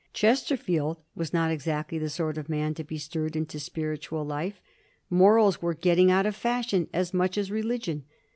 Chesterfield was not exactly the sort of man to be stirred into spiritual life. Morals were getting out of fashion as much as relig ion.